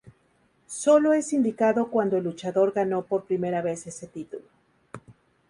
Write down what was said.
Solo es indicado cuando el luchador ganó por primera vez ese título.